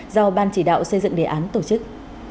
do ban chỉ đạo xây dựng đề án tổ chức